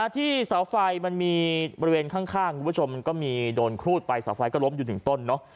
ที่เสาไฟมันมีบริเวณข้างคุณผู้ชมมันก็มีโดนครูดไปเสาไฟก็ล้มอยู่หนึ่งต้นเนอะ